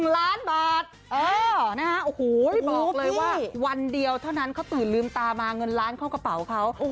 โอ้โหบอกเลยว่าวันเดียวเท่านั้นเขาตื่นลืมตามาเงินล้านเข้ากระเป๋าเขา